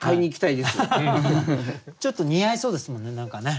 ちょっと似合いそうですもんね何かね。